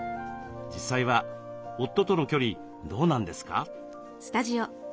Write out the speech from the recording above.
実際は夫との距離どうなんですか？